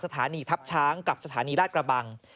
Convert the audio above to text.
สถานีทัพช้างกับสถานีราชกระบัง